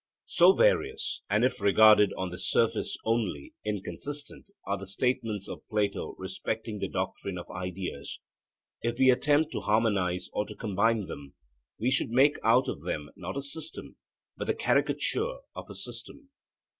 So various, and if regarded on the surface only, inconsistent, are the statements of Plato respecting the doctrine of ideas. If we attempted to harmonize or to combine them, we should make out of them, not a system, but the caricature of a system.